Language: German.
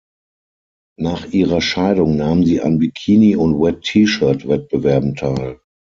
Nach ihrer Scheidung nahm sie an Bikini- und Wet-T-Shirt-Wettbewerben teil.